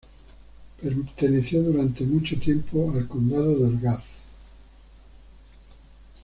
Perteneció durante mucho tiempo al condado de Orgaz.